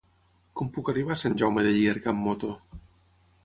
Com puc arribar a Sant Jaume de Llierca amb moto?